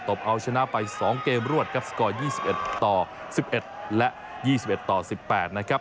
บเอาชนะไป๒เกมรวดครับสกอร์๒๑ต่อ๑๑และ๒๑ต่อ๑๘นะครับ